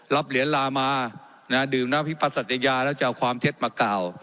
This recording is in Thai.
เหรียญลามาดื่มน้ำพิพัสติยาแล้วจะเอาความเท็จมากล่าว